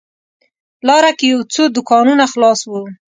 لاره کې یو څو دوکانونه خلاص و.